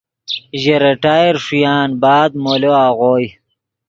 ژے ریٹائر ݰویان بعد مولو آغوئے